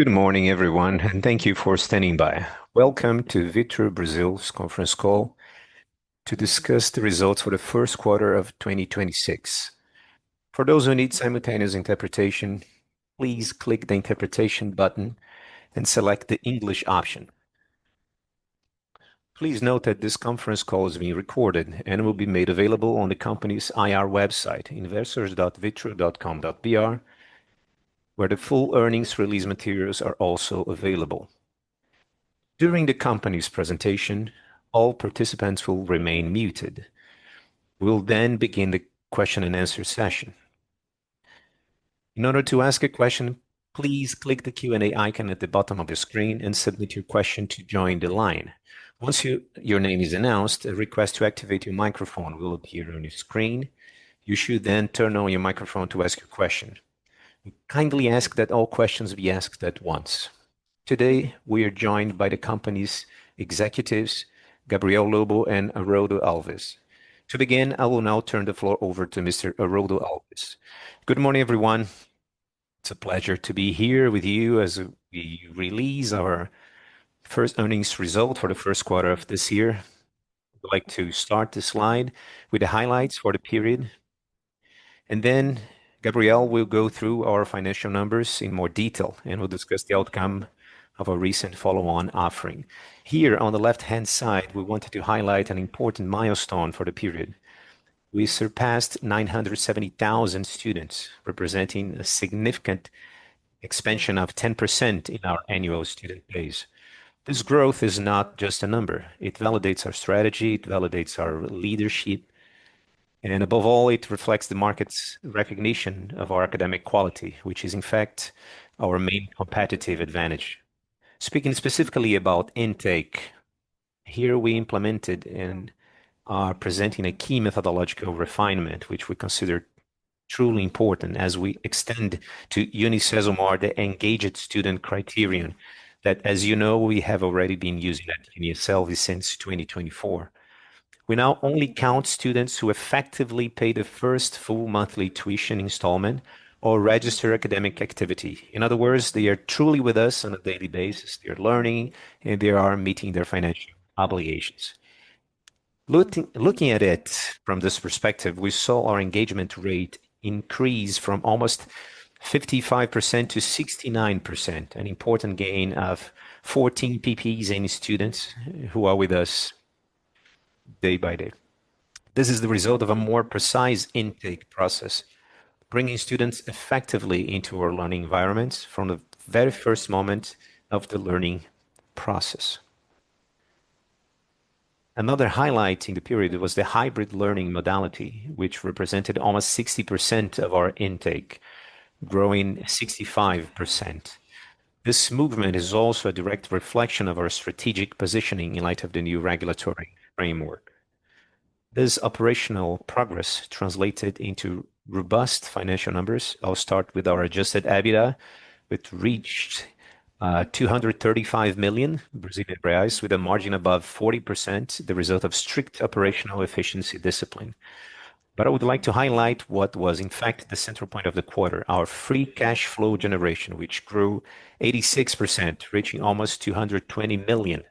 Good morning, everyone, and thank you for standing by. Welcome to Vitru Brasil conference call to discuss the results for the first quarter of 2026. For those who need simultaneous interpretation, please click the interpretation button and select the English option. Please note that this conference call is being recorded and will be made available on the company's IR website, investors.vitru.com.br, where the full earnings release materials are also available. During the company's presentation, all participants will remain muted. We'll begin the question and answer session. In order to ask a question, please click the Q&A icon at the bottom of your screen and submit your question to join the line. Once your name is announced, a request to activate your microphone will appear on your screen. You should turn on your microphone to ask your question. We kindly ask that all questions be asked at once. Today, we are joined by the company's executives, Gabriel Lobo and Aroldo Alves. To begin, I will now turn the floor over to Mr. Aroldo Alves. Good morning, everyone. It's a pleasure to be here with you as we release our first earnings result for the first quarter of this year. I'd like to start the slide with the highlights for the period, and then Gabriel will go through our financial numbers in more detail, and we'll discuss the outcome of our recent follow-on offering. Here on the left-hand side, we wanted to highlight an important milestone for the period. We surpassed 970,000 students, representing a significant expansion of 10% in our annual student base. This growth is not just a number. It validates our strategy, it validates our leadership, and above all, it reflects the market's recognition of our academic quality, which is, in fact, our main competitive advantage. Speaking specifically about intake, here we implemented and are presenting a key methodological refinement, which we consider truly important as we extend to UniCesumar the engaged student criterion that, as you know, we have already been using at UNIASSELVI since 2024. We now only count students who effectively pay the first full monthly tuition installment or register academic activity. In other words, they are truly with us on a daily basis. They are learning, and they are meeting their financial obligations. Looking at it from this perspective, we saw our engagement rate increase from almost 55% to 69%, an important gain of 14 PPs in students who are with us day by day. This is the result of a more precise intake process, bringing students effectively into our learning environments from the very first moment of the learning process. Another highlight in the period was the hybrid learning modality, which represented almost 60% of our intake, growing 65%. This movement is also a direct reflection of our strategic positioning in light of the new regulatory framework. This operational progress translated into robust financial numbers. I'll start with our adjusted EBITDA, which reached 235 million Brazilian reais with a margin above 40%, the result of strict operational efficiency discipline. I would like to highlight what was, in fact, the central point of the quarter, our free cash flow generation, which grew 86%, reaching almost 220 million.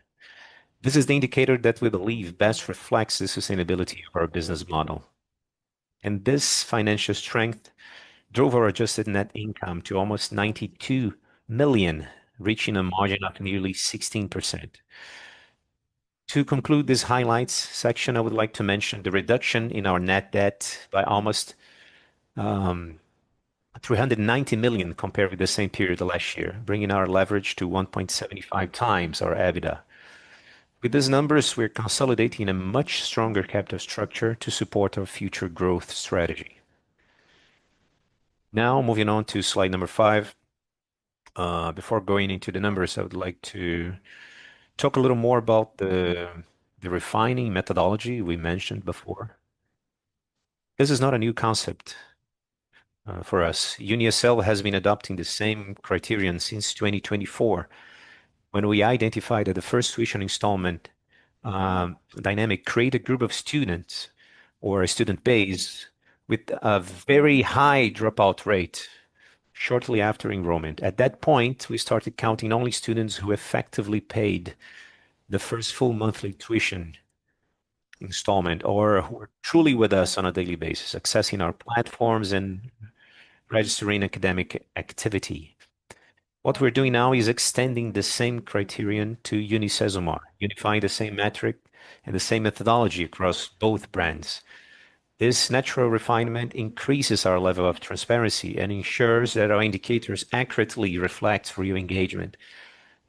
This is the indicator that we believe best reflects the sustainability of our business model. This financial strength drove our adjusted net income to almost 92 million, reaching a margin of nearly 16%. To conclude this highlights section, I would like to mention the reduction in our net debt by almost 390 million compared with the same period of last year, bringing our leverage to 1.75x our EBITDA. With these numbers, we're consolidating a much stronger capital structure to support our future growth strategy. Moving on to slide number 5. Before going into the numbers, I would like to talk a little more about the refining methodology we mentioned before. This is not a new concept for us. UNIASSELVI has been adopting the same criterion since 2024 when we identified that the first tuition installment, dynamic create a group of students or a student base with a very high dropout rate shortly after enrollment. At that point, we started counting only students who effectively paid the first full monthly tuition installment or who are truly with us on a daily basis, accessing our platforms and registering academic activity. What we're doing now is extending the same criterion to UniCesumar, unifying the same metric and the same methodology across both brands. This natural refinement increases our level of transparency and ensures that our indicators accurately reflect real engagement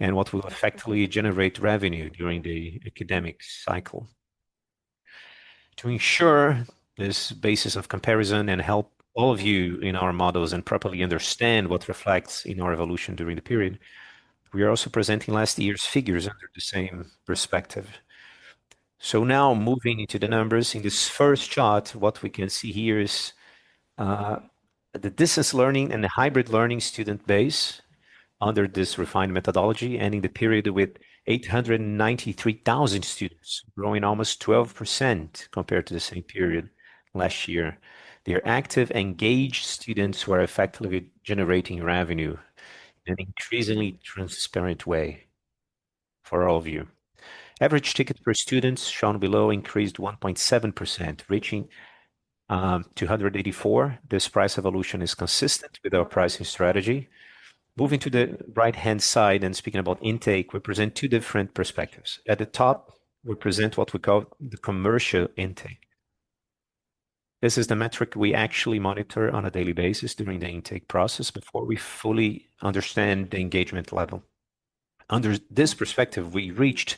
and what will effectively generate revenue during the academic cycle. To ensure this basis of comparison and help all of you in our models and properly understand what reflects in our evolution during the period, we are also presenting last year's figures under the same perspective. Now moving into the numbers. In this first chart, what we can see here is the distance learning and the hybrid learning student base under this refined methodology, ending the period with 893,000 students, growing almost 12% compared to the same period last year. They are active, engaged students who are effectively generating revenue in an increasingly transparent way. For all of you. Average ticket per students shown below increased 1.7%, reaching 284. This price evolution is consistent with our pricing strategy. Moving to the right-hand side and speaking about intake, we present two different perspectives. At the top, we present what we call the commercial intake. This is the metric we actually monitor on a daily basis during the intake process before we fully understand the engagement level. Under this perspective, we reached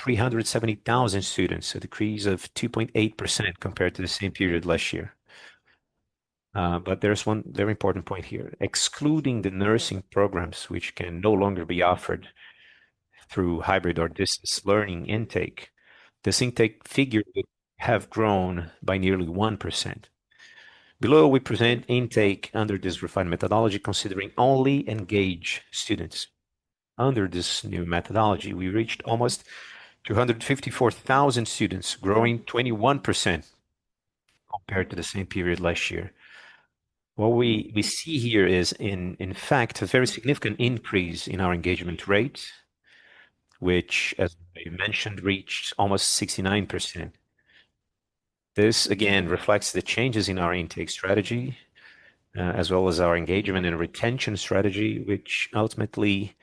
370,000 students, a decrease of 2.8% compared to the same period last year. There's one very important point here. Excluding the nursing programs, which can no longer be offered through hybrid or distance learning intake, this intake figure would have grown by nearly 1%. Below, we present intake under this refined methodology, considering only engaged students. Under this new methodology, we reached almost 254,000 students, growing 21% compared to the same period last year. What we see here is in fact, a very significant increase in our engagement rate, which as I mentioned, reached almost 69%. This again reflects the changes in our intake strategy, as well as our engagement and retention strategy, which ultimately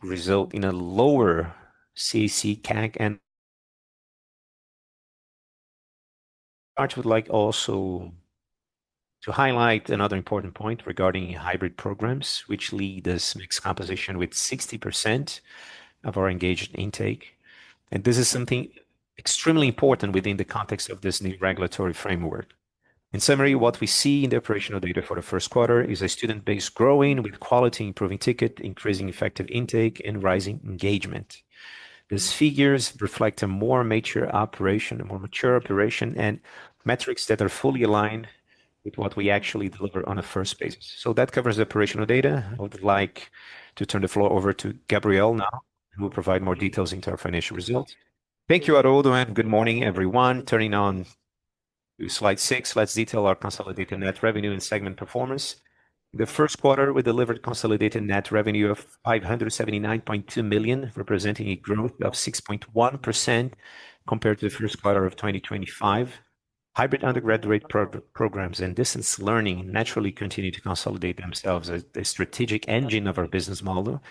result in a lower CAC CAG. I would like also to highlight another important point regarding hybrid programs, which lead this mix composition with 60% of our engaged intake. This is something extremely important within the context of this new regulatory framework. In summary, what we see in the operational data for the first quarter is a student base growing with quality improving ticket, increasing effective intake and rising engagement. These figures reflect a more mature operation and metrics that are fully aligned with what we actually deliver on a first basis. That covers the operational data. I would like to turn the floor over to Gabriel now, who will provide more details into our financial results. Thank you, Aroldo, good morning, everyone. Turning on to slide six, let's detail our consolidated net revenue and segment performance. In the first quarter, we delivered consolidated net revenue of 579.2 million, representing a growth of 6.1% compared to the first quarter of 2025. Hybrid undergraduate programs and distance learning naturally continue to consolidate themselves as the strategic engine of our business model,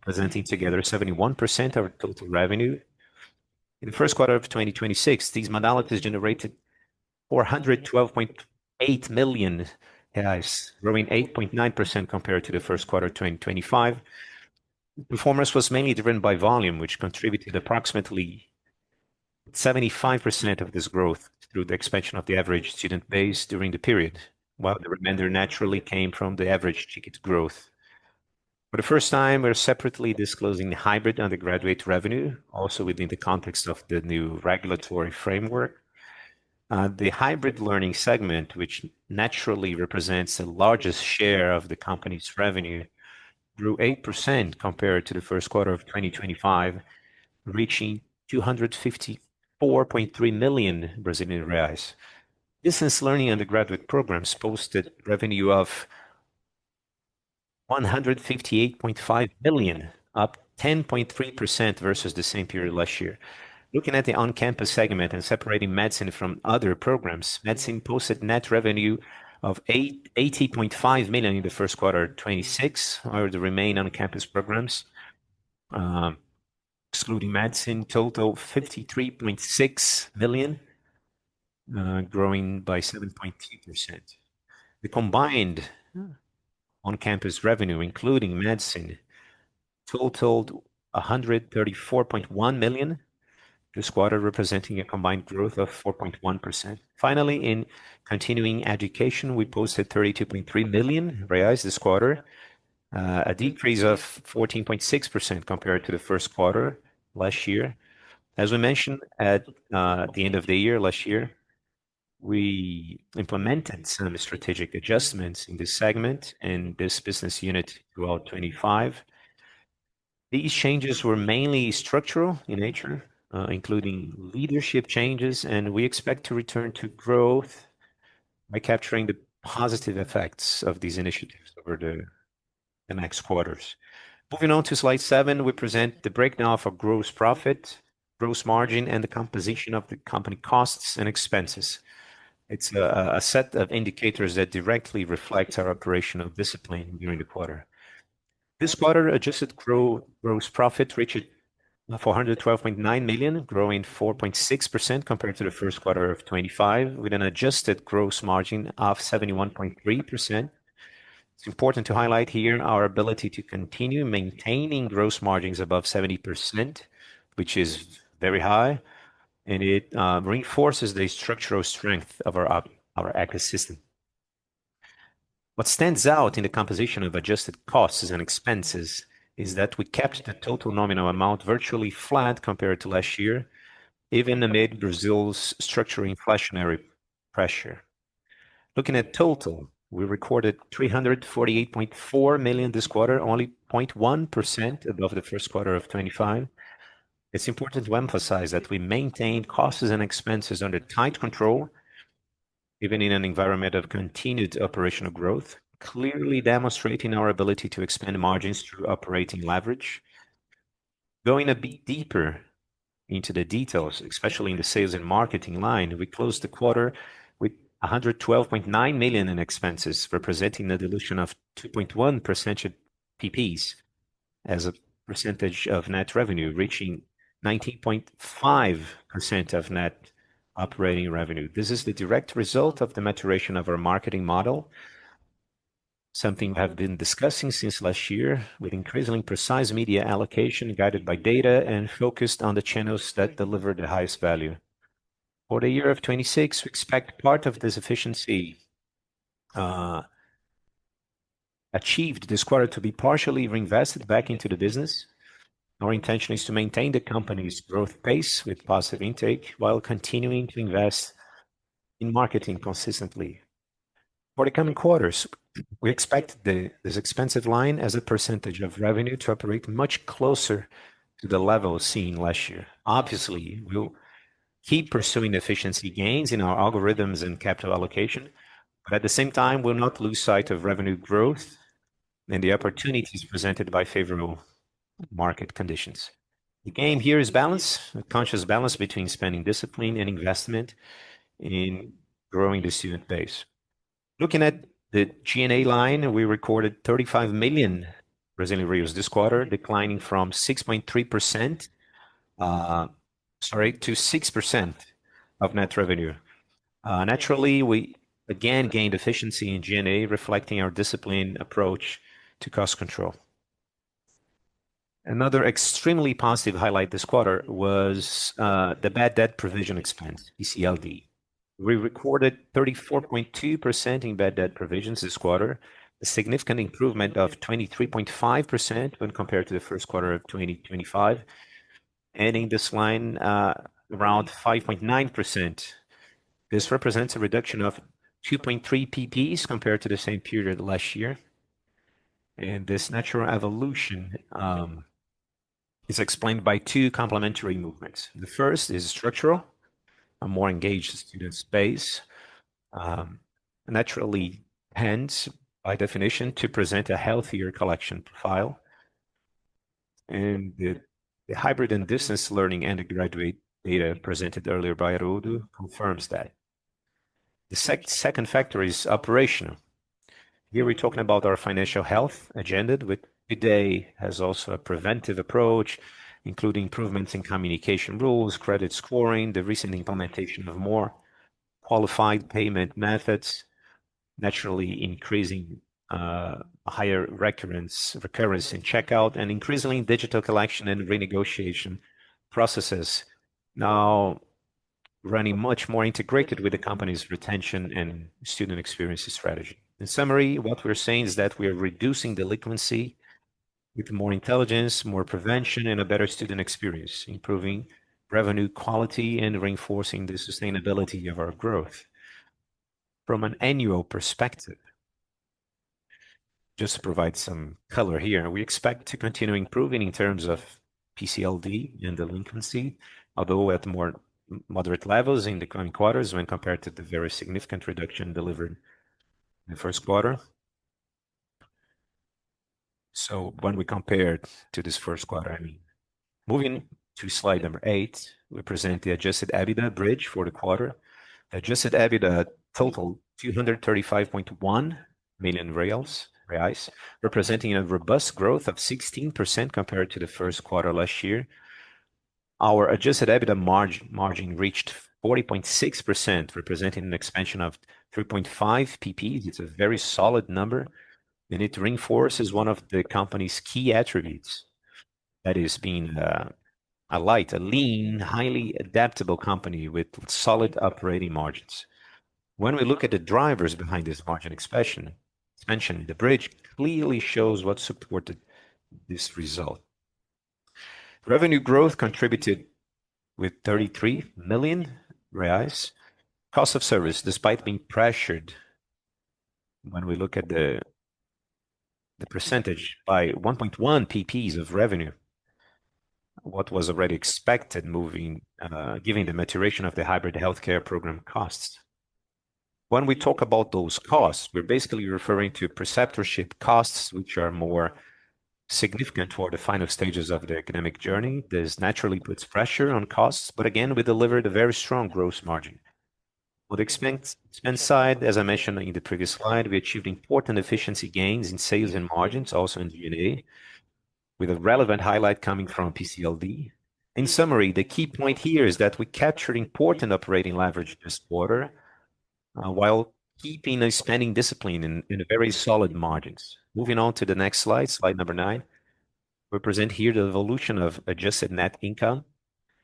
presenting together 71% of total revenue. In the first quarter of 2026, these modalities generated 412.8 million, growing 8.9% compared to the first quarter 2025. Performance was mainly driven by volume, which contributed approximately 75% of this growth through the expansion of the average student base during the period, while the remainder naturally came from the average ticket growth. For the first time, we're separately disclosing hybrid undergraduate revenue, also within the context of the new regulatory framework. The hybrid learning segment, which naturally represents the largest share of the company's revenue, grew 8% compared to the first quarter of 2025, reaching 254.3 million Brazilian reais. Distance learning undergraduate programs posted revenue of 158.5 million, up 10.3% versus the same period last year. Looking at the on-campus segment and separating medicine from other programs, medicine posted net revenue of 80.5 million in the first quarter 2026 or the remain on-campus programs. Excluding medicine, total 53.6 million, growing by 7.2%. The combined on-campus revenue, including medicine, totaled 134.1 million this quarter, representing a combined growth of 4.1%. Finally, in continuing education, we posted 32.3 million reais this quarter, a decrease of 14.6% compared to the first quarter last year. As we mentioned at the end of the year, last year, we implemented some strategic adjustments in this segment and this business unit throughout 2025. These changes were mainly structural in nature, including leadership changes. We expect to return to growth by capturing the positive effects of these initiatives over the next quarters. Moving on to slide 7, we present the breakdown of gross profit, gross margin, and the composition of the company costs and expenses. It's a set of indicators that directly reflect our operational discipline during the quarter. This quarter, adjusted gross profit reached 412.9 million, growing 4.6% compared to the first quarter of 2025, with an adjusted gross margin of 71.3%. It's important to highlight here our ability to continue maintaining gross margins above 70%, which is very high, and it reinforces the structural strength of our app, our ecosystem. What stands out in the composition of adjusted costs and expenses is that we kept the total nominal amount virtually flat compared to last year, even amid Brazil's structural inflationary pressure. Looking at total, we recorded 348.4 million this quarter, only 0.1% above the first quarter of 2025. It's important to emphasize that we maintain costs and expenses under tight control. Even in an environment of continued operational growth, clearly demonstrating our ability to expand margins through operating leverage. Going a bit deeper into the details, especially in the sales and marketing line, we closed the quarter with 112.9 million in expenses, representing a dilution of 2.1 percentage PPs as a percentage of net revenue, reaching 19.5% of net operating revenue. This is the direct result of the maturation of our marketing model, something we have been discussing since last year, with increasingly precise media allocation guided by data and focused on the channels that deliver the highest value. For the year of 2026, we expect part of this efficiency achieved this quarter to be partially reinvested back into the business. Our intention is to maintain the company's growth pace with positive intake while continuing to invest in marketing consistently. For the coming quarters, we expect this expensive line as a percentage of revenue to operate much closer to the level seen last year. Obviously, we'll keep pursuing efficiency gains in our algorithms and capital allocation, but at the same time, we'll not lose sight of revenue growth and the opportunities presented by favorable market conditions. The game here is balance, a conscious balance between spending discipline and investment in growing the student base. Looking at the G&A line, we recorded 35 million this quarter, declining from 6.3%, sorry, to 6% of net revenue. Naturally, we again gained efficiency in G&A, reflecting our disciplined approach to cost control. Another extremely positive highlight this quarter was the bad debt provision expense, PCLD. We recorded 34.2% in bad debt provisions this quarter, a significant improvement of 23.5% when compared to the first quarter of 2025, ending this line around 5.9%. This represents a reduction of 2.3 PPs compared to the same period last year. This natural evolution is explained by two complementary movements. The first is structural, a more engaged student space, naturally tends by definition to present a healthier collection profile. The hybrid and distance learning undergraduate data presented earlier by Aroldo confirms that. The second factor is operational. Here we're talking about our financial health agenda with today has also a preventive approach, including improvements in communication rules, credit scoring, the recent implementation of more qualified payment methods, naturally increasing higher recurrence in checkout, and increasingly digital collection and renegotiation processes now running much more integrated with the company's retention and student experience strategy. In summary, what we're saying is that we are reducing delinquency with more intelligence, more prevention, and a better student experience, improving revenue quality and reinforcing the sustainability of our growth. From an annual perspective, just to provide some color here, we expect to continue improving in terms of PCLD and delinquency, although at more moderate levels in the coming quarters when compared to the very significant reduction delivered in the first quarter. When we compare to this first quarter, I mean. Moving to slide number 8, we present the adjusted EBITDA bridge for the quarter. Adjusted EBITDA totaled 235.1 million reais, representing a robust growth of 16% compared to the first quarter last year. Our adjusted EBITDA margin reached 40.6%, representing an expansion of 3.5 PPs. It's a very solid number. It reinforces one of the company's key attributes, that is being a light, a lean, highly adaptable company with solid operating margins. When we look at the drivers behind this margin expansion, the bridge clearly shows what supported this result. Revenue growth contributed with 33 million reais. Cost of service, despite being pressured when we look at the percentage by 1.1 PPs of revenue, what was already expected moving, giving the maturation of the hybrid healthcare program costs. When we talk about those costs, we're basically referring to preceptorship costs, which are more significant for the final stages of the academic journey. Again, we delivered a very strong gross margin. On the expense side, as I mentioned in the previous slide, we achieved important efficiency gains in sales and margins, also in G&A, with a relevant highlight coming from PCLD. In summary, the key point here is that we captured important operating leverage this quarter, while keeping a spending discipline in very solid margins. Moving on to the next slide 9. We present here the evolution of adjusted net income.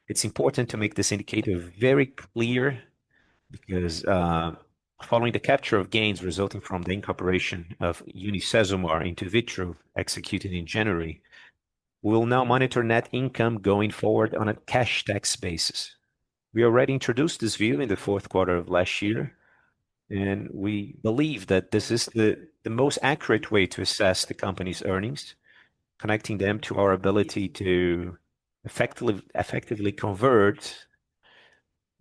It's important to make this indicator very clear because, following the capture of gains resulting from the incorporation of UniCesumar into Vitru executed in January, we will now monitor net income going forward on a cash tax basis. We already introduced this view in the fourth quarter of last year, and we believe that this is the most accurate way to assess the company's earnings, connecting them to our ability to effectively convert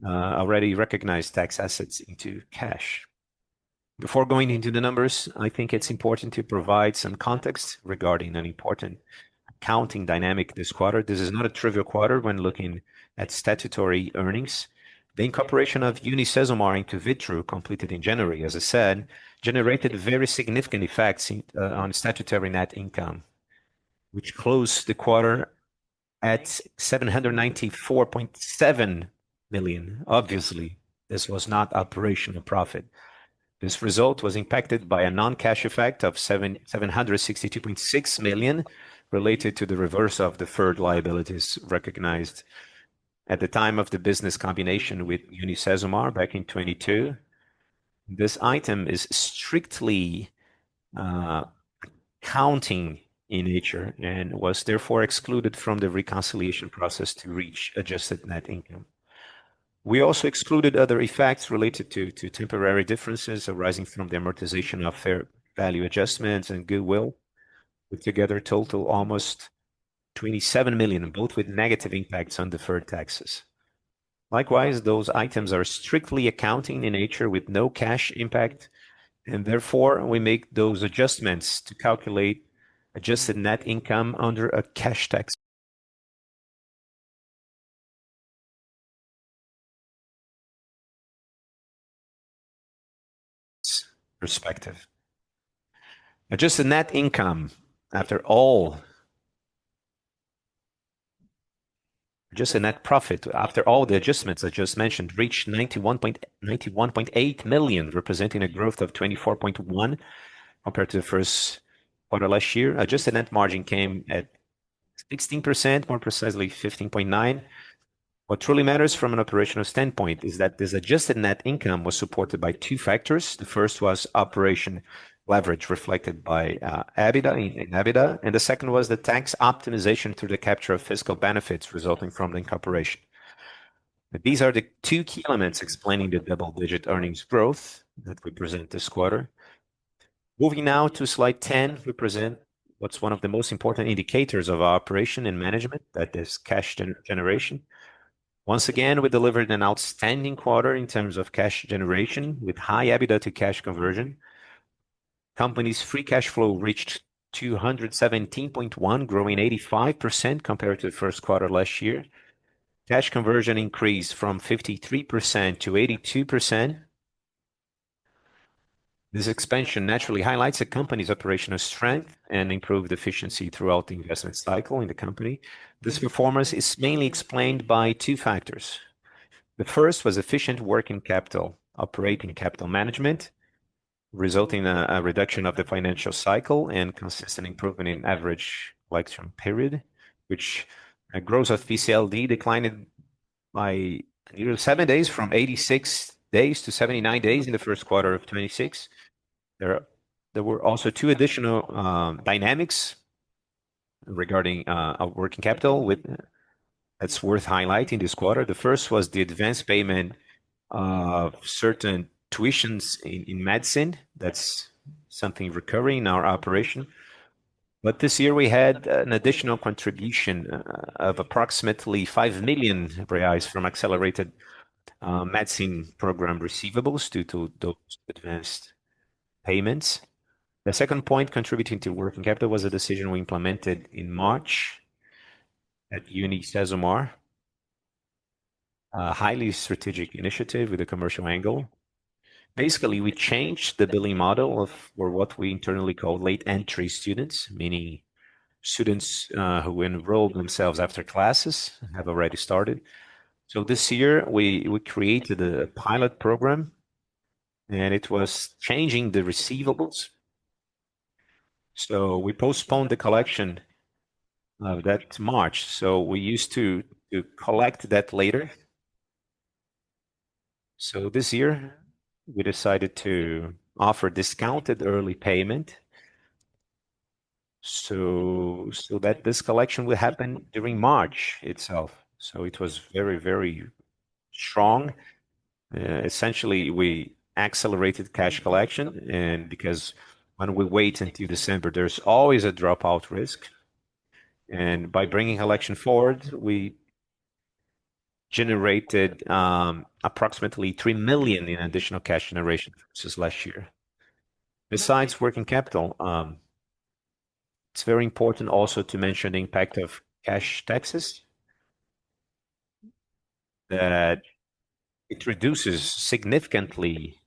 already recognized tax assets into cash. Before going into the numbers, I think it's important to provide some context regarding an important accounting dynamic this quarter. This is not a trivial quarter when looking at statutory earnings. The incorporation of UniCesumar into Vitru, completed in January, as I said, generated very significant effects on statutory net income, which closed the quarter at 794.7 million. Obviously, this was not operational profit. This result was impacted by a non-cash effect of 762.6 million related to the reverse of deferred liabilities recognized at the time of the business combination with UniCesumar back in 2022. This item is strictly accounting in nature and was therefore excluded from the reconciliation process to reach adjusted net income. We also excluded other effects related to temporary differences arising from the amortization of fair value adjustments and goodwill, which together total almost 27 million, both with negative impacts on deferred taxes. Likewise, those items are strictly accounting in nature with no cash impact, and therefore, we make those adjustments to calculate adjusted net income under a cash tax perspective. Adjusted net profit after all the adjustments I just mentioned, reached 91.8 million, representing a growth of 24.1% compared to the first quarter last year. Adjusted net margin came at 16%, more precisely 15.9%. What truly matters from an operational standpoint is that this adjusted net income was supported by two factors. The first was operation leverage reflected by EBITDA. The second was the tax optimization through the capture of fiscal benefits resulting from the incorporation. These are the two key elements explaining the double-digit earnings growth that we present this quarter. Moving now to slide 10, we present what's one of the most important indicators of our operation and management, that is cash generation. Once again, we delivered an outstanding quarter in terms of cash generation with high EBITDA to cash conversion. Company's free cash flow reached 217.1, growing 85% compared to the first quarter last year. Cash conversion increased from 53% to 82%. This expansion naturally highlights the company's operational strength and improved efficiency throughout the investment cycle in the company. This performance is mainly explained by two factors. The first was efficient working capital, operating capital management, resulting in a reduction of the financial cycle and consistent improvement in average life term period, which gross PCLD declined by nearly seven days from 86 days to 79 days in the first quarter of 2026. There were also two additional dynamics regarding our working capital that's worth highlighting this quarter. The first was the advanced payment of certain tuitions in medicine. That's something recurring in our operation. This year we had an additional contribution of approximately 5 million reais from accelerated medicine program receivables due to those advanced payments. The second point contributing to working capital was a decision we implemented in March at UniCesumar, a highly strategic initiative with a commercial angle. We changed the billing model for what we internally call late entry students, meaning students who enroll themselves after classes have already started. This year we created a pilot program, and it was changing the receivables. We postponed the collection of that to March. We used to collect that later. This year we decided to offer discounted early payment so that this collection will happen during March itself. It was very strong. Essentially, we accelerated cash collection and because when we wait until December, there's always a dropout risk. By bringing collection forward, we generated approximately 3 million in additional cash generation versus last year. Besides working capital, it's very important also to mention the impact of cash taxes that it reduces significantly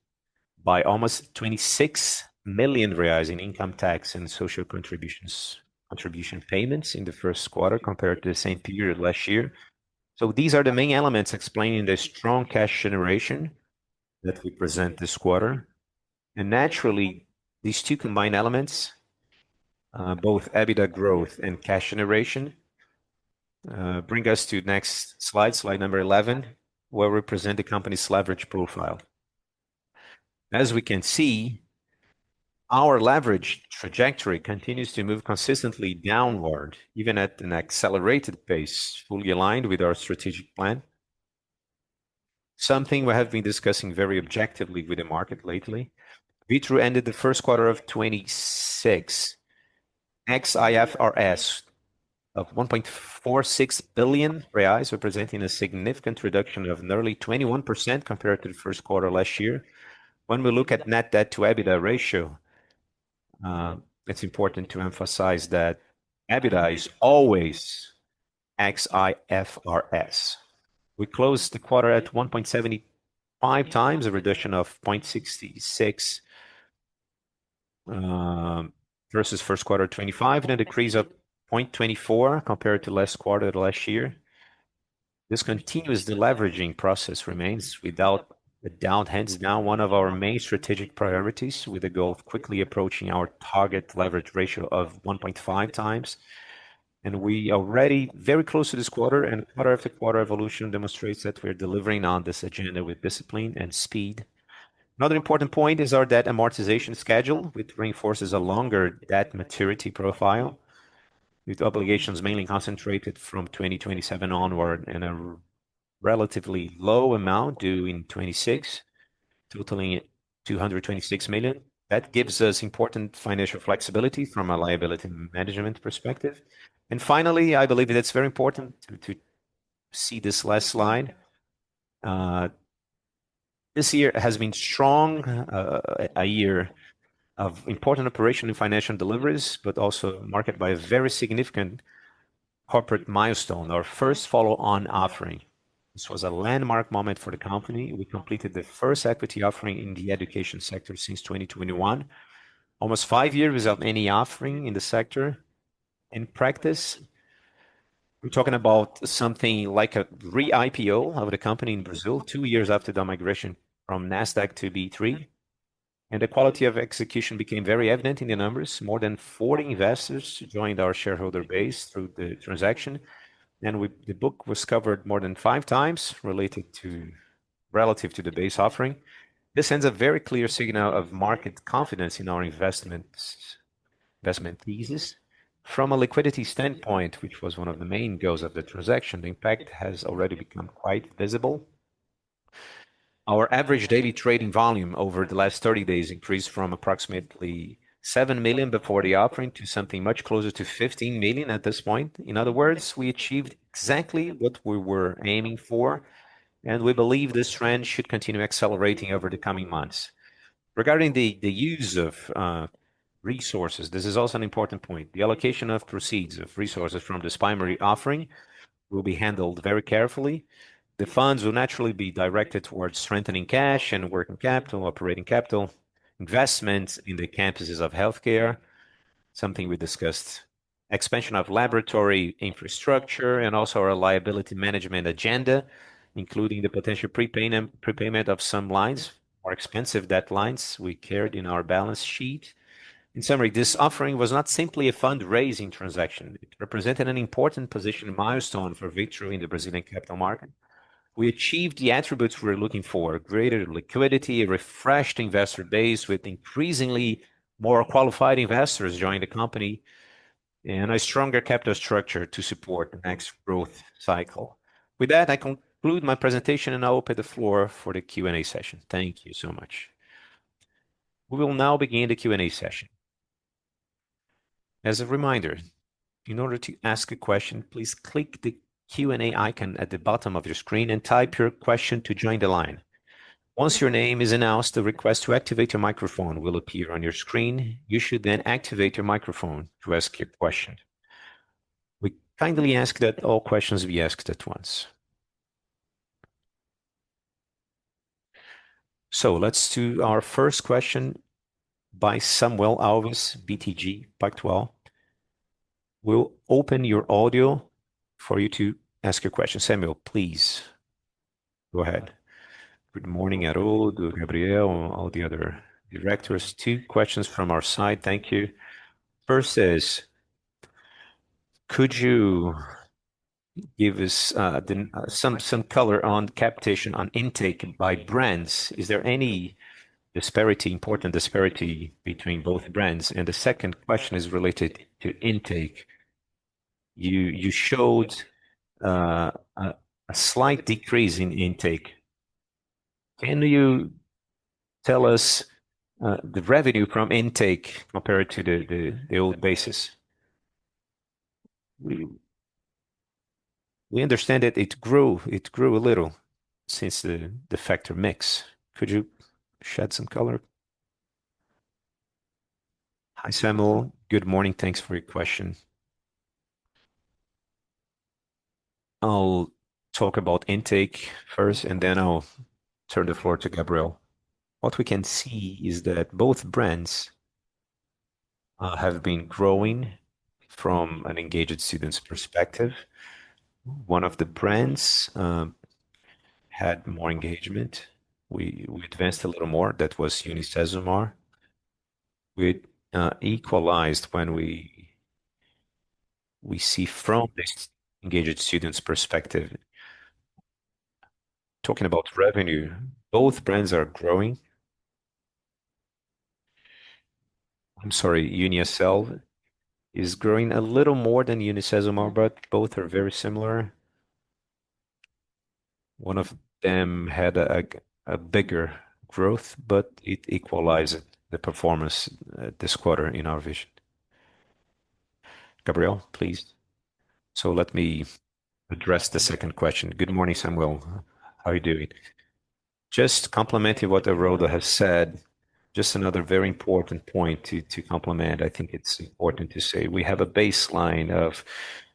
by almost 26 million reais in income tax and social contributions, contribution payments in the 1st quarter compared to the same period last year. These are the main elements explaining the strong cash generation that we present this quarter. Naturally, these two combined elements, both EBITDA growth and cash generation, bring us to the next slide number 11, where we present the company's leverage profile. As we can see, our leverage trajectory continues to move consistently downward, even at an accelerated pace, fully aligned with our strategic plan. Something we have been discussing very objectively with the market lately. Vitru ended the first quarter of 2026 ex-IFRS of 1.46 billion reais, representing a significant reduction of nearly 21% compared to the first quarter last year. When we look at net debt to EBITDA ratio, it's important to emphasize that EBITDA is always ex-IFRS. We closed the quarter at 1.75x a reduction of 0.66 versus first quarter 2025, and a decrease of 0.24 compared to last quarter last year. This continuous deleveraging process remains without a doubt hence now one of our main strategic priorities with the goal of quickly approaching our target leverage ratio of 1.5x. We already very close to this quarter, and quarter after quarter evolution demonstrates that we're delivering on this agenda with discipline and speed. Another important point is our debt amortization schedule, which reinforces a longer debt maturity profile, with obligations mainly concentrated from 2027 onward and a relatively low amount due in 2026, totaling 226 million. That gives us important financial flexibility from a liability management perspective. Finally, I believe that it's very important to see this last slide. This year has been strong, a year of important operational and financial deliveries, but also marked by a very significant corporate milestone, our first follow-on offering. This was a landmark moment for the company. We completed the first equity offering in the education sector since 2021, almost five years without any offering in the sector. In practice, we're talking about something like a re-IPO of the company in Brazil two years after the migration from Nasdaq to B3, and the quality of execution became very evident in the numbers. More than 40 investors joined our shareholder base through the transaction, the book was covered more than 5x relative to the base offering. This sends a very clear signal of market confidence in our investments, investment thesis. From a liquidity standpoint, which was one of the main goals of the transaction, the impact has already become quite visible. Our average daily trading volume over the last 30 days increased from approximately 7 million before the offering to something much closer to 15 million at this point. In other words, we achieved exactly what we were aiming for, and we believe this trend should continue accelerating over the coming months. Regarding the use of resources, this is also an important point. The allocation of proceeds of resources from this primary offering will be handled very carefully. The funds will naturally be directed towards strengthening cash and working capital, operating capital, investments in the campuses of healthcare, something we discussed, expansion of laboratory infrastructure, and also our liability management agenda, including the potential prepayment of some lines or expensive debt lines we carried in our balance sheet. In summary, this offering was not simply a fundraising transaction. It represented an important position milestone for Vitru in the Brazilian capital market. We achieved the attributes we were looking for, greater liquidity, a refreshed investor base with increasingly more qualified investors joining the company, and a stronger capital structure to support the next growth cycle. With that, I conclude my presentation, and I'll open the floor for the Q&A session. Thank you so much. We will now begin the Q&A session. As a reminder, in order to ask a question, please click the Q&A icon at the bottom of your screen and type your question to join the line. Once your name is announced, the request to activate your microphone will appear on your screen. You should then activate your microphone to ask your question. We kindly ask that all questions be asked at once. Let's do our first question by Samuel Alves, BTG Pactual. We'll open your audio for you to ask your question. Samuel, please go ahead. Good morning, Aroldo, Gabriel, all the other directors. Two questions from our side. Thank you. First is, could you give us some color on capitation on intake by brands? Is there any disparity, important disparity between both brands? The second question is related to intake. You showed a slight decrease in intake. Can you tell us the revenue from intake compared to the old basis? We understand that it grew a little since the factor mix. Could you shed some color? Hi, Samuel. Good morning. Thanks for your question. I'll talk about intake first, and then I'll turn the floor to Gabriel. What we can see is that both brands have been growing from an engaged students perspective. One of the brands had more engagement. We advanced a little more. That was UniCesumar. We equalized when we see from the engaged students perspective. Talking about revenue, both brands are growing. I'm sorry, UNIASSELVI is growing a little more than UniCesumar, but both are very similar. One of them had a bigger growth, but it equalized the performance this quarter in our vision. Gabriel, please. Let me address the second question. Good morning, Samuel Alves. How are you doing? Just complementing what Aroldo Alves has said, just another very important point to complement, I think it's important to say we have a baseline of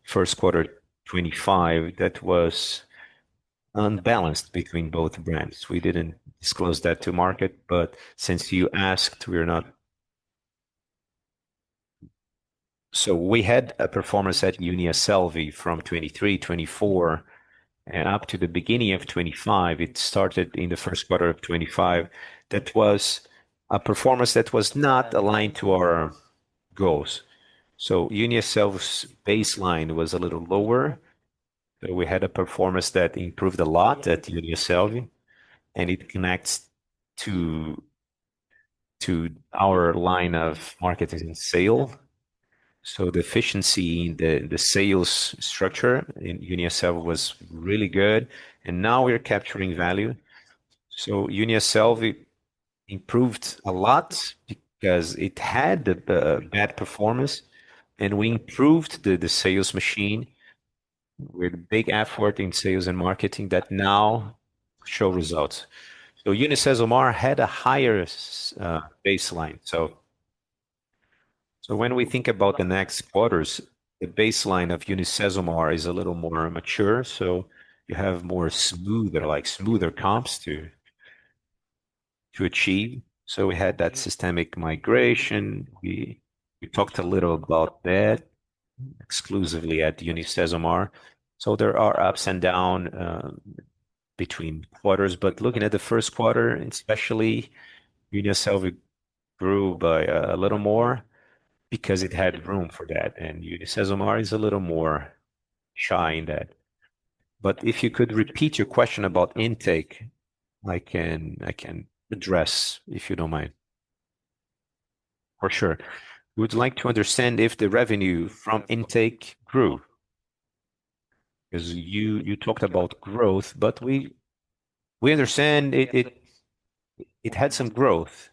1st quarter 2025 that was unbalanced between both brands. We didn't disclose that to market, but since you asked, we had a performance at UNIASSELVI from 2023, 2024, and up to the beginning of 2025. It started in the 1st quarter of 2025. That was a performance that was not aligned to our goals. UNIASSELVI's baseline was a little lower. We had a performance that improved a lot at UNIASSELVI, and it connects to our line of marketing sale. The efficiency in the sales structure in UNIASSELVI was really good, and now we are capturing value. UNIASSELVI improved a lot because it had the bad performance, and we improved the sales machine with big effort in sales and marketing that now show results. UniCesumar had a higher baseline. When we think about the next quarters, the baseline of UniCesumar is a little more mature, so you have more smoother, like smoother comps to achieve. We had that systemic migration. We talked a little about that exclusively at UniCesumar. There are ups and down between quarters, but looking at the first quarter especially, UNIASSELVI grew by a little more because it had room for that, and UniCesumar is a little more shy in that. If you could repeat your question about intake, I can address, if you don't mind. For sure. We would like to understand if the revenue from intake grew. Because you talked about growth, but we understand it had some growth.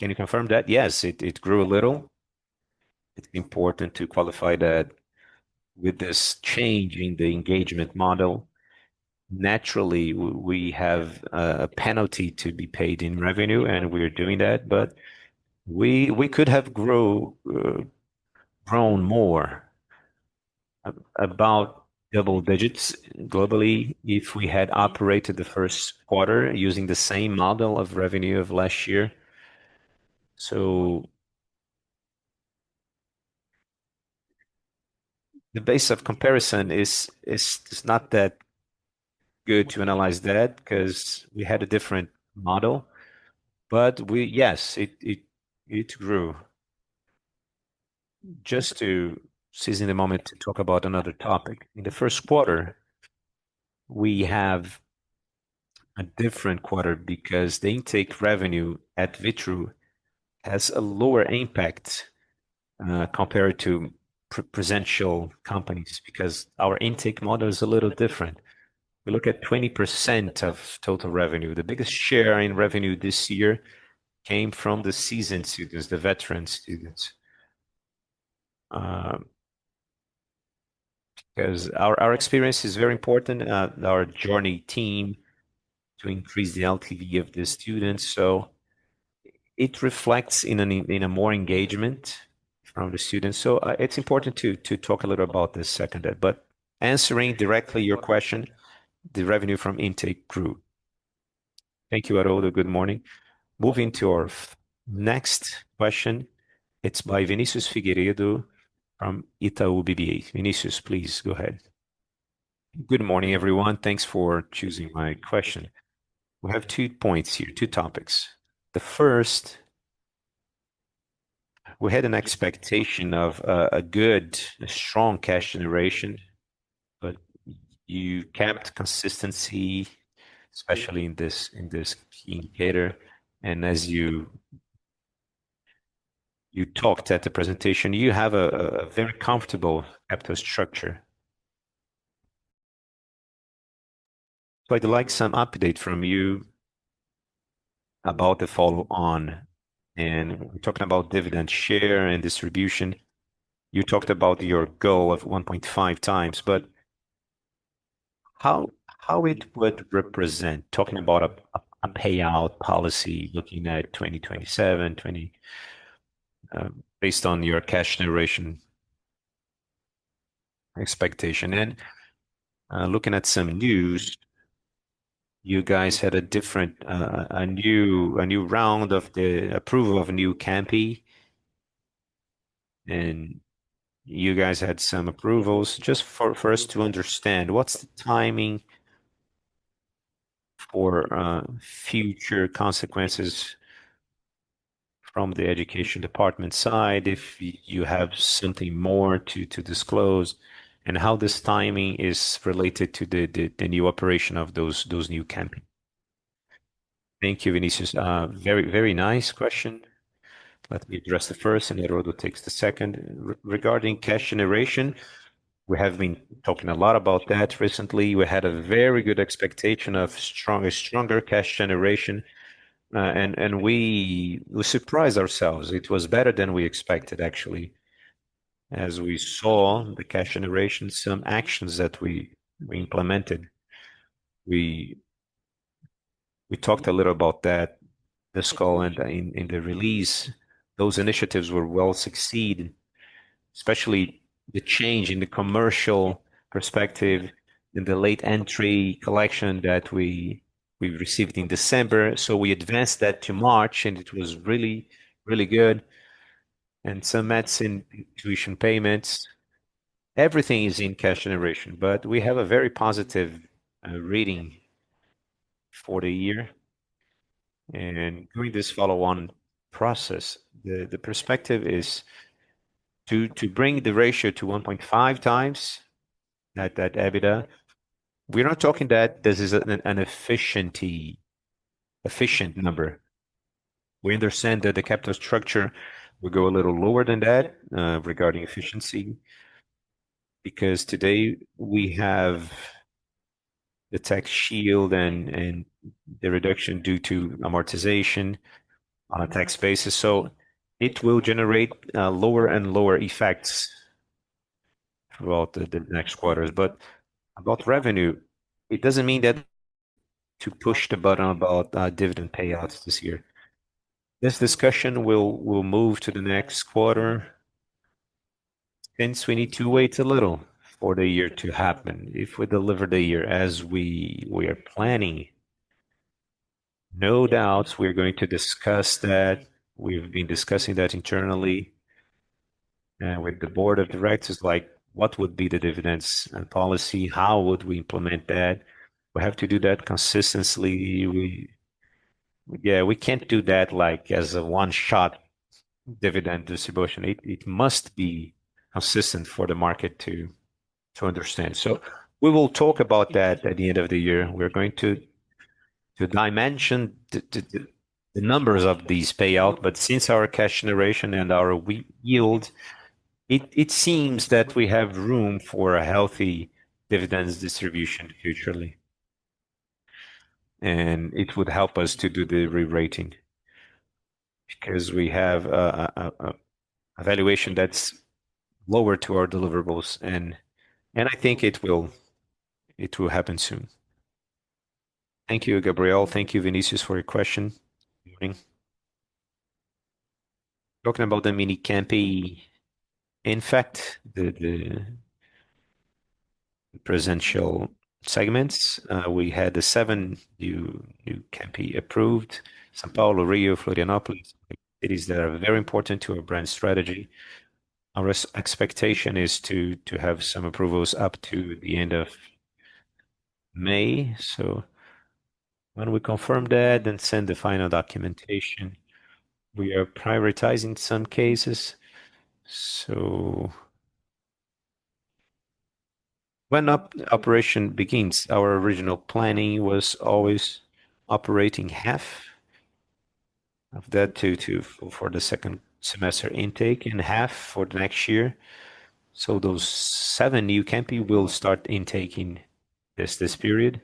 Can you confirm that? Yes, it grew a little. It's important to qualify that with this change in the engagement model, naturally we have a penalty to be paid in revenue, and we are doing that. We could have grown more, about double digits globally if we had operated the first quarter using the same model of revenue of last year. The base of comparison is not that good to analyze that because we had a different model. Yes, it grew. Just to seize the moment to talk about another topic. In the first quarter, we have a different quarter because the intake revenue at Vitru has a lower impact compared to presential companies because our intake model is a little different. We look at 20% of total revenue. The biggest share in revenue this year came from the seasoned students, the veteran students, because our experience is very important, our journey team to increase the LTV of the students. It reflects in a more engagement from the students. It's important to talk a little about this second. Answering directly your question, the revenue from intake grew. Thank you, Aroldo. Good morning. Moving to our next question. It's by Vinicius Figueiredo from Itaú BBA. Vinicius, please go ahead. Good morning, everyone. Thanks for choosing my question. We have two points here, two topics. The first, we had an expectation of a good, strong cash generation. You kept consistency, especially in this key indicator. As you talked at the presentation, you have a very comfortable capital structure. I'd like some update from you about the follow on and talking about dividend share and distribution. You talked about your goal of 1.5x. How it would represent talking about a payout policy looking at 2027 based on your cash generation expectation. Looking at some news, you guys had a different, a new round of the approval of a new campi. You guys had some approvals. Just for us to understand, what's the timing for future consequences from the education department side, if you have something more to disclose, and how this timing is related to the new operation of those new campi? Thank you, Vinicius. Very nice question. Let me address the first and Aroldo takes the second. Regarding cash generation, we have been talking a lot about that recently. We had a very good expectation of stronger cash generation, and we surprised ourselves. It was better than we expected actually. As we saw the cash generation, some actions that we implemented, we talked a little about that, this call and in the release, those initiatives were well succeed, especially the change in the commercial perspective in the late entry collection that we received in December. We advanced that to March, and it was really good. Some medicine tuition payments. Everything is in cash generation. We have a very positive reading for the year. With this follow-on process, the perspective is to bring the ratio to 1.5x that EBITDA. We're not talking that this is an efficient number. We understand that the capital structure will go a little lower than that regarding efficiency, because today we have the tax shield and the reduction due to amortization on a tax basis. It will generate lower and lower effects throughout the next quarters. About revenue, it doesn't mean that to push the button about dividend payouts this year. This discussion will move to the next quarter. We need to wait a little for the year to happen. If we deliver the year as we are planning, no doubts we're going to discuss that. We've been discussing that internally, and with the board of directors, like what would be the dividends and policy? How would we implement that? We have to do that consistently. Yeah, we can't do that like as a one-shot dividend distribution. It must be consistent for the market to understand. We will talk about that at the end of the year. We're going to dimension the numbers of these payout, since our cash generation and our yield, it seems that we have room for a healthy dividends distribution futurely. It would help us to do the re-rating because we have a valuation that's lower to our deliverables and I think it will happen soon. Thank you, Gabriel. Thank you, Vinicius, for your question. Good morning. Talking about the mini campi. In fact, the presencial segments, we had 7 new campi approved. São Paulo, Rio, Florianópolis, cities that are very important to our brand strategy. Our expectation is to have some approvals up to the end of May. When we confirm that, then send the final documentation. We are prioritizing some cases. When operation begins, our original planning was always operating half of that for the second semester intake and half for the next year. Those 7 new campi will start intaking this period.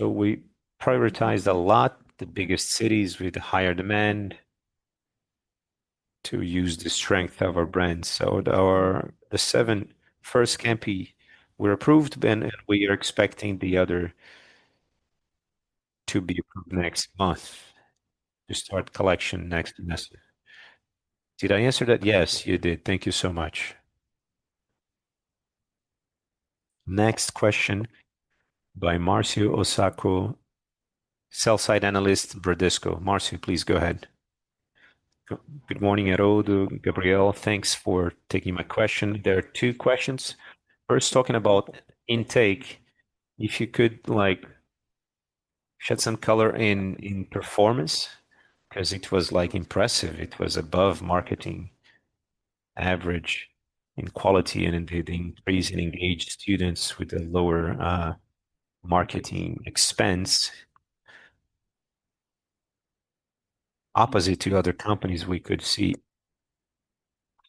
We prioritized a lot the biggest cities with higher demand to use the strength of our brand. Our the 7 first campi were approved, and we are expecting the other to be approved next month to start collection next semester. Did I answer that? Yes, you did. Thank you so much. Next question by Marcio Osako, Sell-Side analyst, Bradesco. Marcio, please go ahead. Good morning, Aroldo, Gabriel Lobo. Thanks for taking my question. There are two questions. First, talking about intake, if you could like shed some color in performance, because it was like impressive. It was above marketing average in quality and raising engaged students with a lower marketing expense. Opposite to other companies we could see.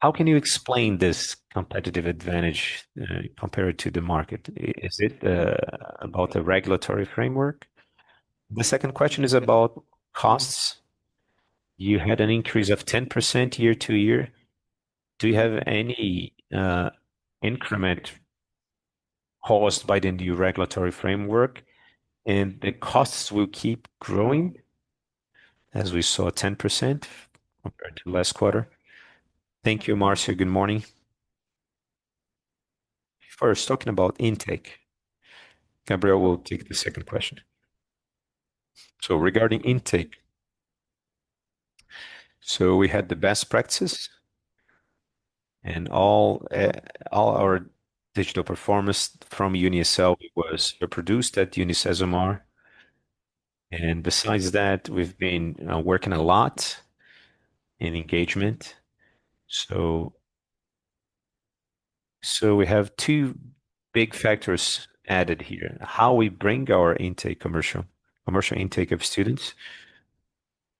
How can you explain this competitive advantage compared to the market? Is it about the regulatory framework? The second question is about costs. You had an increase of 10% year-over-year. Do you have any increment caused by the new regulatory framework? The costs will keep growing as we saw 10% compared to last quarter. Thank you, Marcio. Good morning. First, talking about intake. Gabriel will take the second question. Regarding intake, so we had the best practice and all our digital performance from UNIASSELVI was produced at UniCesumar. Besides that, we've been working a lot in engagement. We have two big factors added here. How we bring our intake commercial intake of students.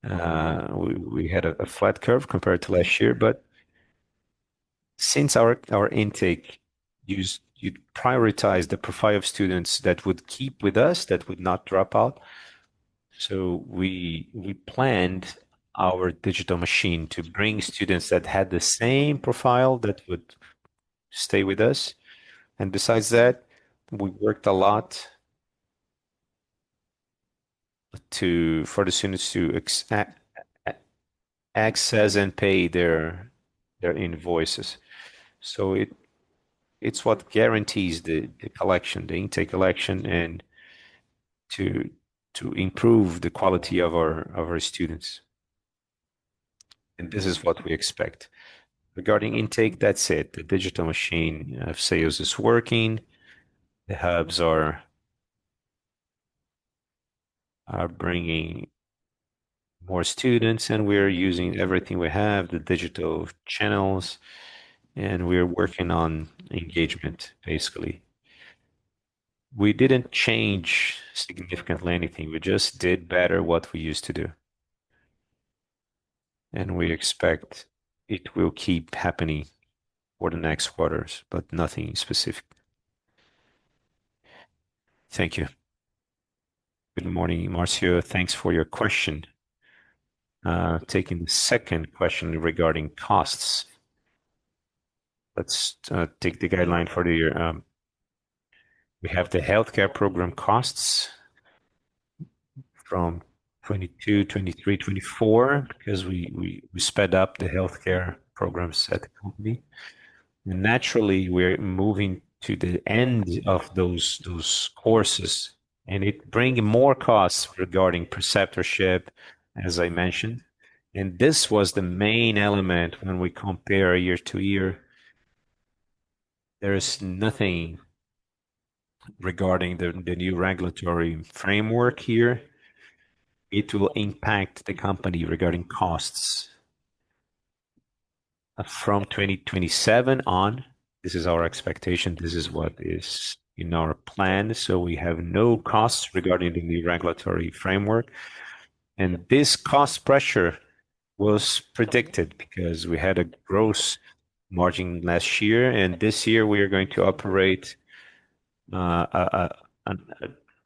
We had a flat curve compared to last year, but since our intake you prioritize the profile of students that would keep with us, that would not drop out. We planned our digital machine to bring students that had the same profile that would stay with us. Besides that, we worked a lot for the students to access and pay their invoices. It's what guarantees the collection, the intake collection, and to improve the quality of our students. This is what we expect. Regarding intake, that said, the digital machine of sales is working. The hubs are bringing more students, and we are using everything we have, the digital channels, and we are working on engagement, basically. We didn't change significantly anything. We just did better what we used to do. We expect it will keep happening for the next quarters, but nothing specific. Thank you. Good morning, Marcio. Thanks for your question. Taking the second question regarding costs. Let's take the guideline for the year. We have the healthcare program costs from 2022, 2023, 2024, because we sped up the healthcare programs at the company. Naturally, we're moving to the end of those courses, and it bring more costs regarding preceptorship, as I mentioned. This was the main element when we compare year to year. There is nothing regarding the new regulatory framework here. It will impact the company regarding costs from 2027 on. This is our expectation. This is what is in our plan. We have no costs regarding the new regulatory framework. This cost pressure was predicted because we had a gross margin last year, and this year we are going to operate a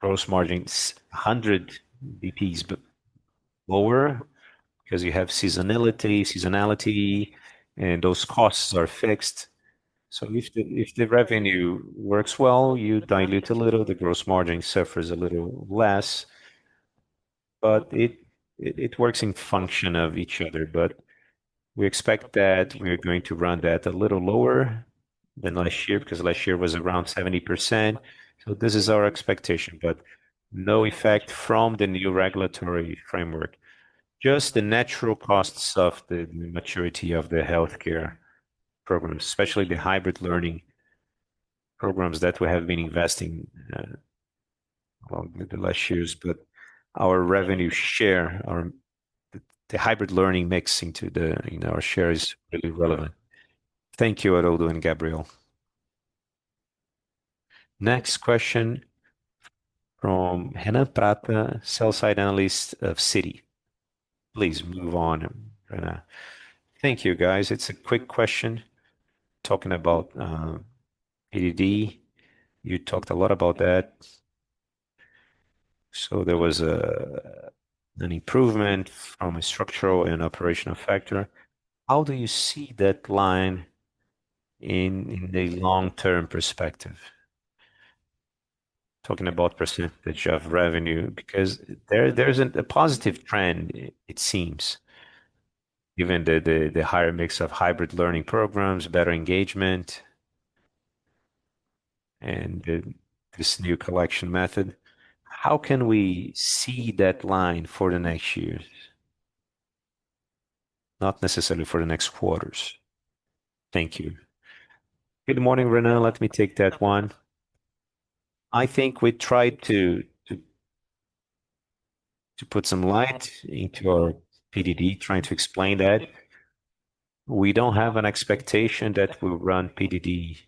gross margin 100 BPS lower because you have seasonality, and those costs are fixed. If the revenue works well, you dilute a little, the gross margin suffers a little less. It works in function of each other. We expect that we are going to run that a little lower than last year, because last year was around 70%. This is our expectation, but no effect from the new regulatory framework. Just the natural costs of the maturity of the healthcare programs, especially the hybrid learning programs that we have been investing, well, the last years. Our revenue share, the hybrid learning mixing to the, you know, our share is really relevant. Thank you, Aroldo and Gabriel. Next question from Renan Prata, Sell-Side analyst of Citi. Please move on, Renan. Thank you, guys. It's a quick question talking about PDD. You talked a lot about that. There was an improvement from a structural and operational factor. How do you see that line in the long-term perspective? Talking about percentage of revenue, because there is a positive trend, it seems, given the higher mix of hybrid learning programs, better engagement, and this new collection method. How can we see that line for the next years? Not necessarily for the next quarters. Thank you. Good morning, Renan. Let me take that one. I think we tried to put some light into our PDD, trying to explain that. We don't have an expectation that we'll run PDD.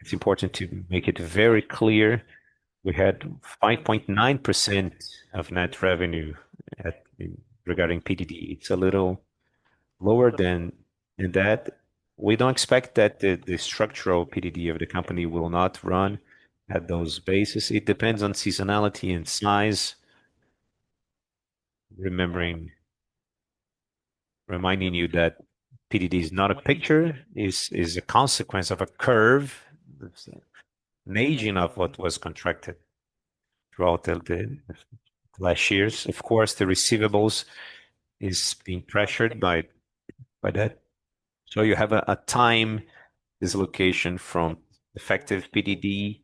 It's important to make it very clear we had 5.9% of net revenue regarding PDD. It's a little lower than that. We don't expect that the structural PDD of the company will not run at those bases. It depends on seasonality and size. Reminding you that PDD is not a picture. It's a consequence of a curve, an aging of what was contracted throughout the last years. Of course, the receivables is being pressured by that. You have a time dislocation from effective PDD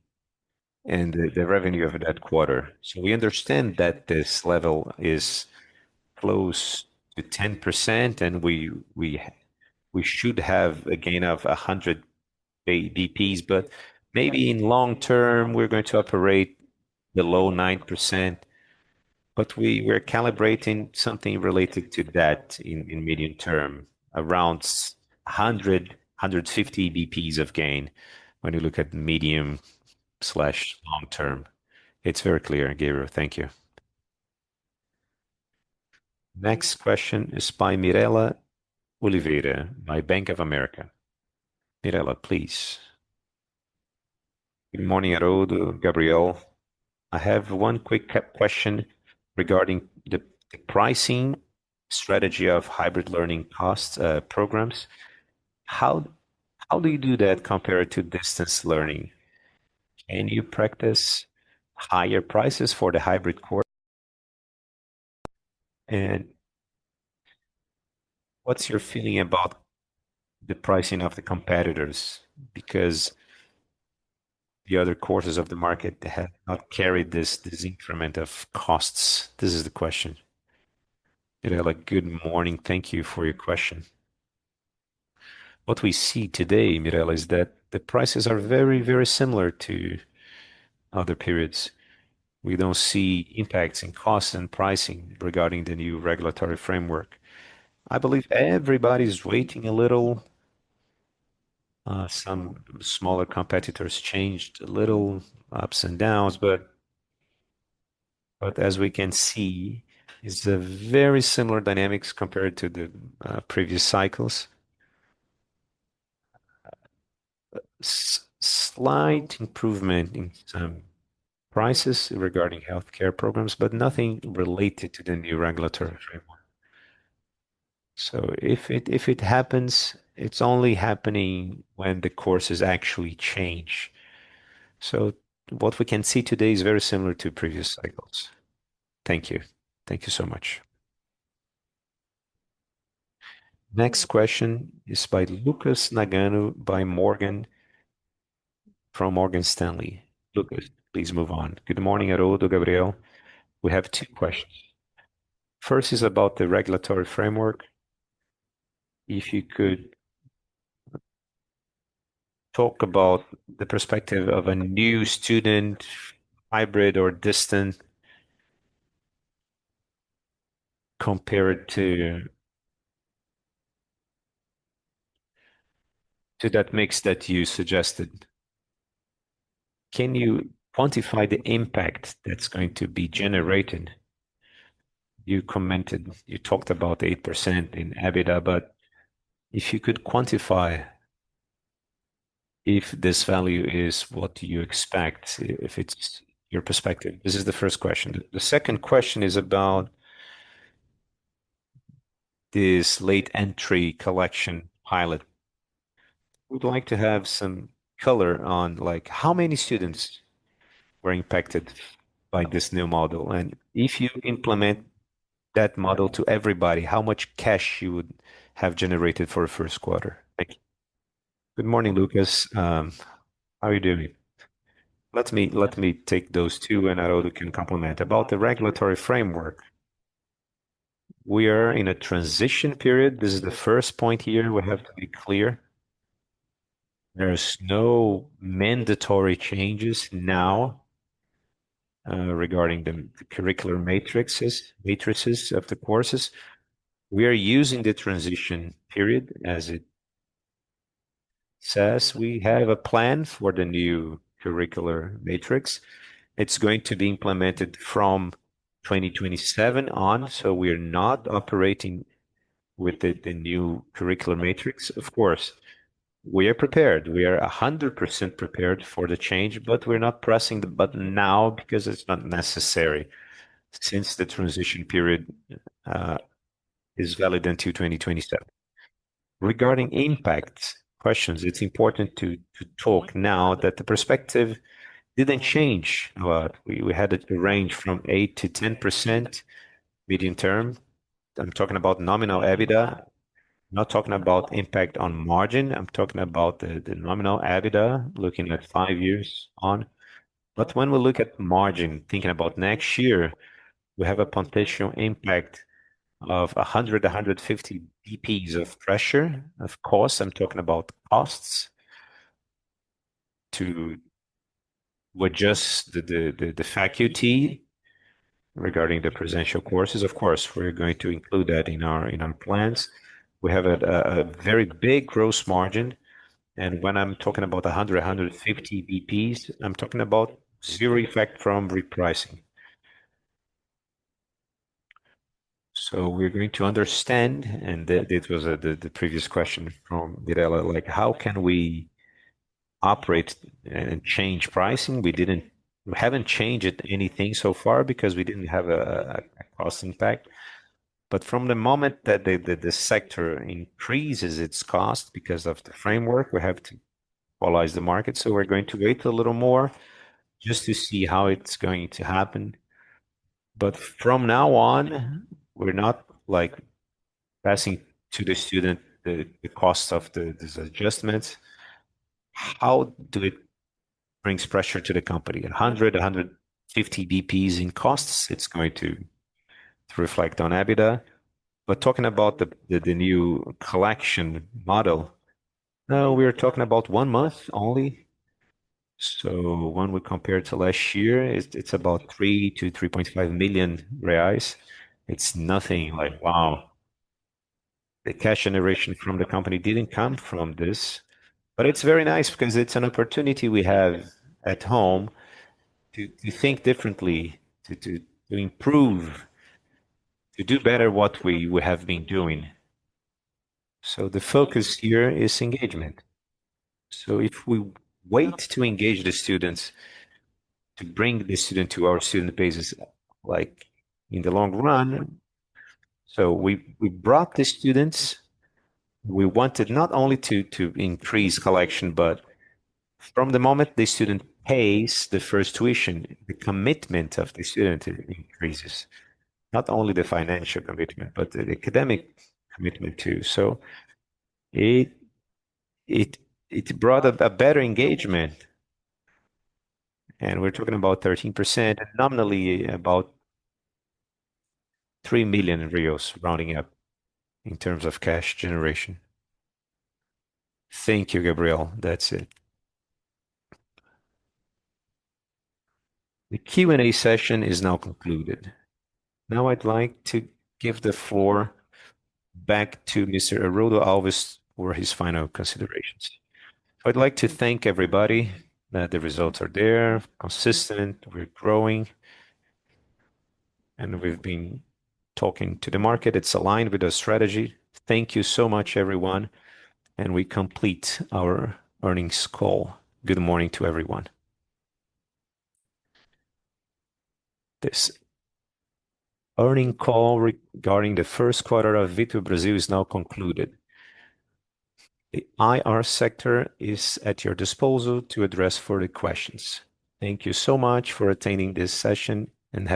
and the revenue of that quarter. We understand that this level is close to 10%, and we should have a gain of 100 BPS. Maybe in long term, we're going to operate below 9%. We're calibrating something related to that in medium term. Around 100 BPS-150 BPS of gain when you look at medium/long term. It's very clear, Gabriel. Thank you. Next question is by Mirela Oliveira by Bank of America. Mirela, please. Good morning Aroldo, Gabriel. I have one quick question regarding the pricing strategy of hybrid learning cost programs. How do you do that compared to distance learning? Can you practice higher prices for the hybrid course? What's your feeling about the pricing of the competitors? Because the other courses of the market have not carried this increment of costs. This is the question. Mirela, good morning. Thank you for your question. What we see today, Mirela, is that the prices are very similar to other periods. We don't see impacts in cost and pricing regarding the new regulatory framework. I believe everybody's waiting a little. Some smaller competitors changed a little, ups and downs, as we can see, it's a very similar dynamics compared to the previous cycles. Slight improvement in some prices regarding healthcare programs. Nothing related to the new regulatory framework. If it happens, it's only happening when the courses actually change. What we can see today is very similar to previous cycles. Thank you. Thank you so much. Next question is by Lucas Nagano from Morgan Stanley. Lucas, please move on. Good morning Aroldo, Gabriel. We have two questions. First is about the regulatory framework. If you could talk about the perspective of a new student, hybrid or distant, compared to that mix that you suggested. Can you quantify the impact that's going to be generated? You commented, you talked about 8% in EBITDA, but if you could quantify if this value is what you expect, if it's your perspective. This is the first question. The second question is about this late entry collection pilot. We'd like to have some color on, like, how many students were impacted by this new model. If you implement that model to everybody, how much cash you would have generated for first quarter? Thank you. Good morning, Lucas. How are you doing? Let me take those two, Aroldo can complement. About the regulatory framework, we are in a transition period. This is the first point here we have to be clear. There is no mandatory changes now regarding the curricular matrixes, matrices of the courses. We are using the transition period as it says. We have a plan for the new curricular matrix. It's going to be implemented from 2027 on, we're not operating with the new curricular matrix. Of course, we are prepared. We are 100% prepared for the change. We're not pressing the button now because it's not necessary since the transition period is valid until 2027. Regarding impact questions, it's important to talk now that the perspective didn't change. We had a range from 8%-10% medium term. I'm talking about nominal EBITDA. Not talking about impact on margin, I'm talking about the nominal EBITDA looking at five years on. When we look at margin, thinking about next year, we have a potential impact of 150 BPS of pressure. Of course, I'm talking about costs to adjust the faculty regarding the presential courses. Of course, we're going to include that in our plans. We have a very big gross margin. When I'm talking about 100 BPS, 150 BPS, I'm talking about zero effect from repricing. We're going to understand, and this was the previous question from Mirela, like, how can we operate and change pricing? We haven't changed anything so far because we didn't have a cost impact. From the moment that the sector increases its cost because of the framework, we have to equalize the market. We're going to wait a little more just to see how it's going to happen. From now on, we're not, like, passing to the student the cost of these adjustments. How do it brings pressure to the company? 100 BPS, 150 BPS in costs, it's going to reflect on EBITDA. Talking about the new collection model, now we are talking about one month only. When we compare to last year, it's about 3 million-3.5 million reais. It's nothing like, wow. The cash generation from the company didn't come from this, but it's very nice because it's an opportunity we have at home to think differently, to improve, to do better what we have been doing. The focus here is engagement. If we wait to engage the students, to bring the student to our student bases, like in the long run. We brought the students. We wanted not only to increase collection, but from the moment the student pays the first tuition, the commitment of the student increases. Not only the financial commitment, but the academic commitment too. It brought a better engagement, and we're talking about 13%, and nominally about 3 million rounding up in terms of cash generation. Thank you, Gabriel. That's it. The Q&A session is now concluded. Now I'd like to give the floor back to Mr. Aroldo Alves for his final considerations. I'd like to thank everybody that the results are there, consistent, we're growing, and we've been talking to the market. It's aligned with our strategy. Thank you so much, everyone, and we complete our earnings call. Good morning to everyone. This earning call regarding the first quarter of Vitru Brasil is now concluded. The IR sector is at your disposal to address further questions. Thank you so much for attending this session.